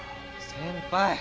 先輩！